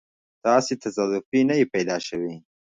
ته هسې تصادفي نه يې پیدا شوی.